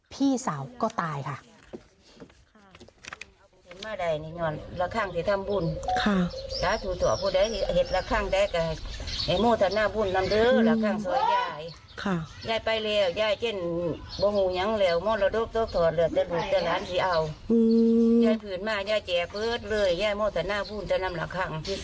พี่สาวก็ตายค่ะ